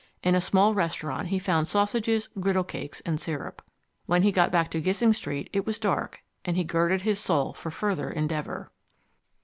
In a small restaurant he found sausages, griddle cakes and syrup. When he got back to Gissing Street it was dark, and he girded his soul for further endeavour.